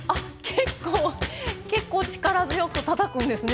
結構結構力強くたたくんですね。